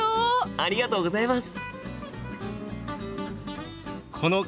ありがとうございます！